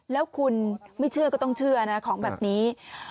แล้วคุณไม่เชื่อก็ต้องเชื่อนะของแบบนี้